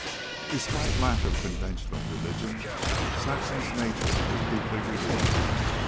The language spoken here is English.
Despite lack of conventional religion, Saxon's nature was deeply religious.